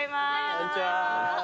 こんちは。